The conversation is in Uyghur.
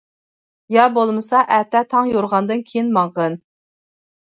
-يا بولمىسا، ئەتە تاڭ يورۇغاندىن كېيىن ماڭغىن.